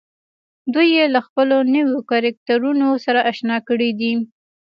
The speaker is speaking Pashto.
دوی يې له خپلو نويو کرکټرونو سره اشنا کړي دي.